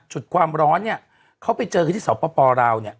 จุดความร้อนเนี่ยเขาไปเจอกันที่สปลาวเนี่ย